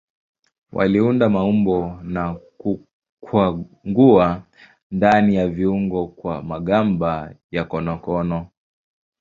Waliunda maumbo na kukwangua ndani ya viungu kwa magamba ya konokono.